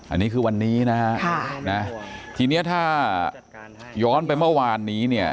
อันนี้คือวันนี้นะฮะทีนี้ถ้าย้อนไปเมื่อวานนี้เนี่ย